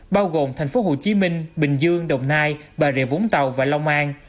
bao gồm tp hcm bình dương đồng nai bà rịa vũng tàu và long an